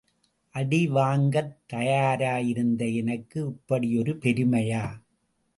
அடி வாங்கத் தயாராயிருந்த எனக்கு இப்படி ஒரு பெருமையா?